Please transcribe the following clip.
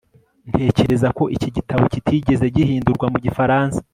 ntekereza ko iki gitabo kitigeze gihindurwa mu gifaransa